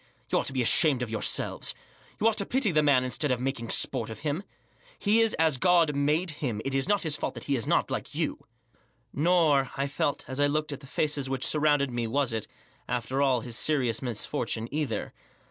M You ought to be ashamed of yourselves \ You ought to pity the map instead of making sport of him, He is as God made him ; it is not his fault that he is not like you/ 1 Nor, I felt as I looked at the faces which surrounded me? was it 4 after after ail, his serious misfortune either.